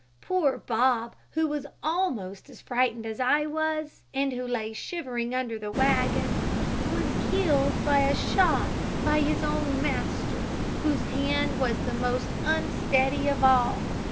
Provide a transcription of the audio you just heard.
"Poor Bob, who was almost as frightened as I was, and who lay shivering under the wagon, was killed by a shot by his own master, whose hand was the most unsteady of all.